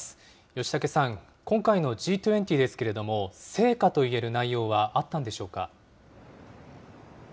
吉武さん、今回のＧ２０ですけれども、成果といえる内容はあったんでしょうか。